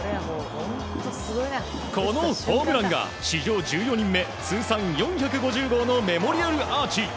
このホームランが史上１４人目通算４５０号のメモリアルアーチ。